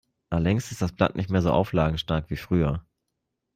Längst ist das Blatt nicht mehr so auflagenstark wie früher.